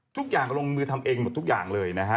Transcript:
ทุกอย่างลงมือทำเองหมดทุกอย่างเลยนะฮะ